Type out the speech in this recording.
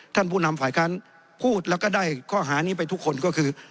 ผู้นำฝ่ายค้านพูดแล้วก็ได้ข้อหานี้ไปทุกคนก็คือ